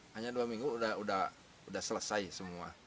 hanya dua minggu sudah selesai semua